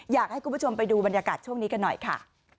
อยากให้คุณผู้ชมไปดูบรรยากาศช่วงนี้กันหน่อยค่ะ